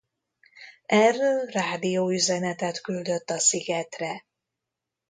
Erről rádióüzenetet küldött a szigetre.